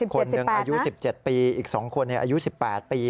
คนหนึ่งอายุ๑๗ปีอีก๒คนอายุ๑๘ปี